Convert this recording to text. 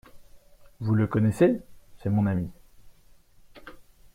Vous le connaissez ? C'est mon ami.